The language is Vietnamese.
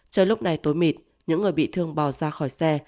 chơi lúc này tối mịt những người bị thương bò ra khỏi xe